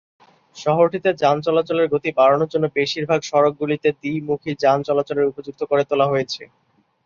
শহরটিতে যান চলাচলের গতি বাড়ানোর জন্য বেশির ভাগ সড়ক গুলিকে দ্বি-মুখী যান চলাচলের উপযুক্ত করে তোলা হয়েছে।